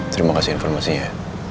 terima kasih informasinya